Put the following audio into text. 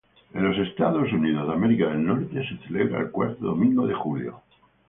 En los Estados Unidos se celebra el cuarto domingo de julio.